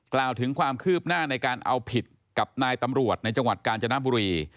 กล่าวถึงความคืบหน้าในการเอาผิดกับนายตำรวจในจังหวัดกาญจนบุรี